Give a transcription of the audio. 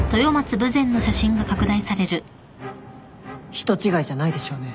人違いじゃないでしょうね？